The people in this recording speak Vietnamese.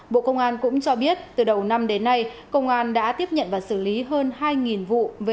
bộ công an cũng cho biết từ đầu năm đến nay công an đã tiếp nhận và xử lý hơn hai vụ